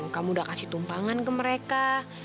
kamu udah kasih tumpangan ke mereka